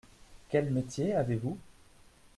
Quel métier avez-vous ?